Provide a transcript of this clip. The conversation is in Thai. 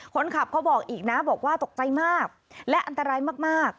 เขาบอกอีกนะบอกว่าตกใจมากและอันตรายมาก